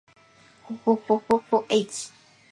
ほほほほほっ h